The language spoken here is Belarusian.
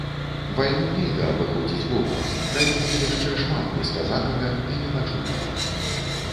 Вайну нельга абыходзіць бокам, пра яе яшчэ шмат не сказанага і не пачутага.